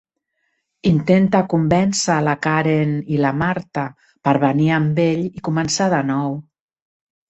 Intenta convèncer la Karen i la Martha per venir amb ell i començar de nou.